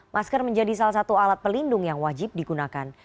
masker menjadi salah satu alat pelindung yang wajib digunakan